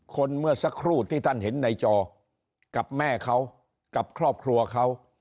เมื่อสักครู่ที่ท่านเห็นในจอกับแม่เขากับครอบครัวเขา